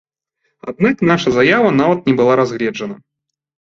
Аднак наша заява нават не была разгледжана.